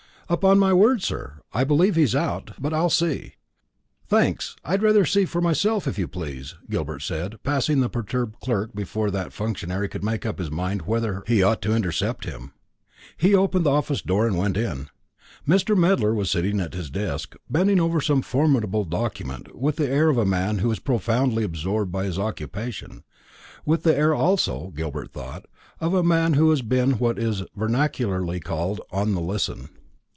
"Upon my word, sir, I believe he's out; but I'll see." "Thanks; I'd rather see myself, if you please," Gilbert said, passing the perturbed clerk before that functionary could make up his mind whether he ought to intercept him. He opened the office door and went in. Mr. Medler was sitting at his desk, bending over some formidable document, with the air of a man who is profoundly absorbed by his occupation; with the air also, Gilbert thought, of a man who has been what is vernacularly called "on the listen."